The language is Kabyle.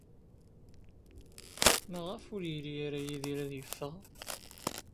Maɣef ur iri ara Yidir ad yeffeɣ?